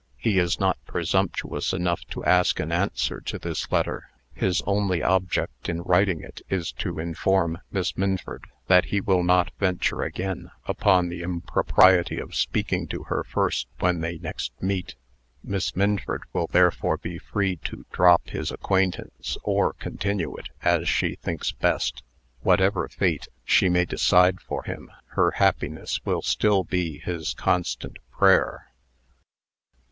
He is not presumptuous enough to ask an answer to this letter. His only object in writing it, is to inform Miss Minford that he will not venture again upon the impropriety of speaking to her first when they next meet. Miss Minford will therefore be free to drop his acquaintance, or continue it, as she thinks best. Whatever fate she may decide for him, her happiness will still be his constant prayer."